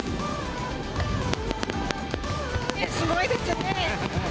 すごいですね。